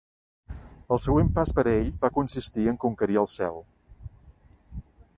El següent pas per a ell va consistir en conquerir el cel.